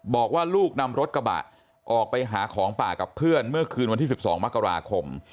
บอกว่าลูกนำรถกระบะออกไปหาของป่ากับเพื่อนเมื่อคืนวันที่๑๒มกราคม